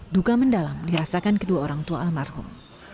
duka mendalam dirasakan kedua orang tua almarhum